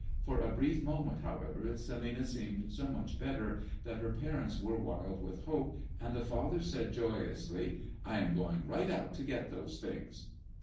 For a brief moment, however, Celinina seemed so much better that her parents were wild with hope, and the father said joyously, "I am going right out to get those things."